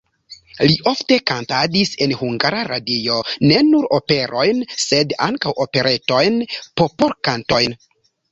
Li ofte kantadis en Hungara Radio ne nur operojn, sed ankaŭ operetojn, popolkantojn.